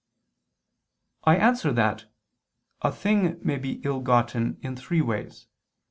I answer that, A thing may be ill gotten in three ways.